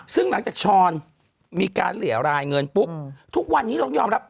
ซึ่งหลังจากช้อนมีการเหลี่ยรายเงินปุ๊บทุกวันนี้เรายอมรับ